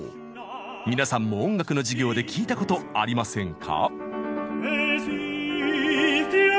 皆さんも音楽の授業で聴いたことありませんか？